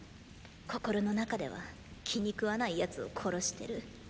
心の中では気に食わない奴を殺してる。